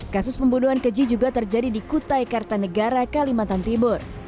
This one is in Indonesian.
kasus pembunuhan keji juga terjadi di kutai kartanegara kalimantan timur